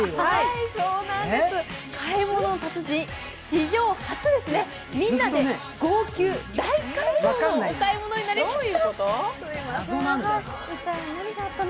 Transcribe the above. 史上初ですね、みんなで号泣、大感動のお買い物になりました。